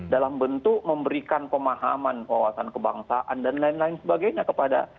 dalam bentuk memberikan pemahaman wawasan kebangsaan dan lain lain sebagainya kepada